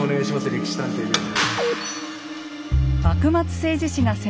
「歴史探偵」です。